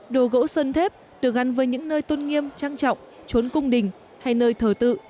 đồ gỗ sơn thép được gắn với những nơi tôn nghiêm trang trọng trốn cung đình hay nơi thờ tự